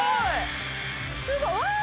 すごい！